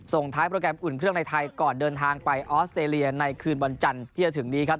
ท้ายโปรแกรมอุ่นเครื่องในไทยก่อนเดินทางไปออสเตรเลียในคืนวันจันทร์ที่จะถึงนี้ครับ